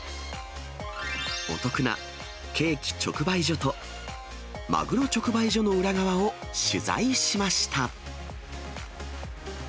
お得なケーキ直売所と、マグロ直売所の裏側を取材しました。